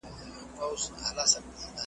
چي هنر نه لري څـوک به يـــــــې صفت کړي